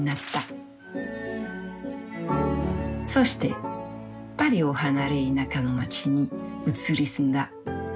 そしてパリを離れ田舎の街に移り住んだ。